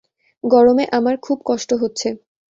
গরমে আমার খুব কষ্ট হচ্ছে।